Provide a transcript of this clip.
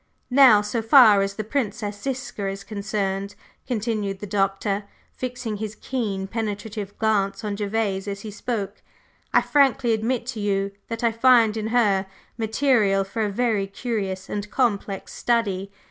Now, so far as the Princess Ziska is concerned," continued the Doctor, fixing his keen, penetrative glance on Gervase as he spoke, "I frankly admit to you that I find in her material for a very curious and complex study.